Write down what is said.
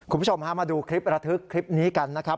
คุณผู้ชมฮะมาดูคลิประทึกคลิปนี้กันนะครับ